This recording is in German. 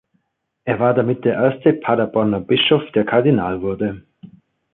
Er war damit der erste Paderborner Bischof, der Kardinal wurde.